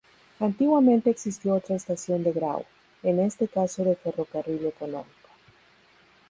Antiguamente existió otra estación de "Grau", en este caso de ferrocarril económico.